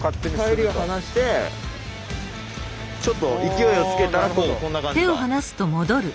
帰りは離してちょっと勢いをつけたらこうこんな感じか。